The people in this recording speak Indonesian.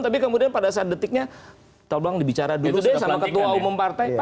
tapi kemudian pada saat detiknya tolong dibicara dulu deh sama ketua umum partai